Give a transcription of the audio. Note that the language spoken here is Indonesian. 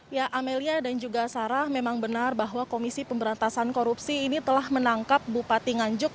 ya amelia dan juga sarah memang benar bahwa komisi pemberantasan korupsi ini telah menangkap bupati nganjuk